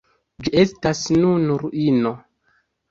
Ĝi estas nun ruino.